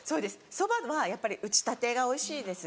そばはやっぱり打ちたてがおいしいです。